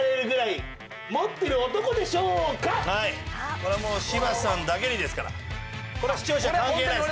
「これはもう柴田さんだけにですから」「これは視聴者関係ないです」